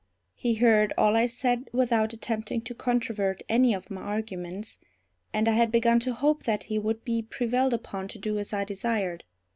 He heard all I said without attempting to controvert any of my arguments, and I had begun to hope that he would be prevailed upon to do as I desired.